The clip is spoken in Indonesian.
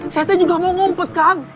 saya tadi juga mau ngumpet kang